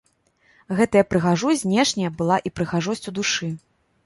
Гэтая прыгажосць знешняя была і прыгажосцю душы.